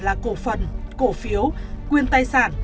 là cổ phần cổ phiếu quyền tài sản